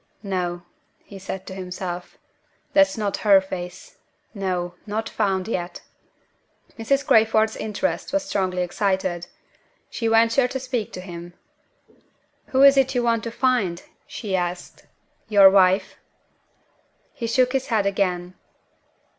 "No!" he said to himself, "that's not her face. No! not found yet." Mrs. Crayford's interest was strongly excited. She ventured to speak to him. "Who is it you want to find?" she asked. "Your wife?" He shook his head again.